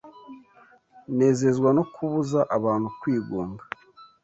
Nezezwa no kubuza abantu kwigunga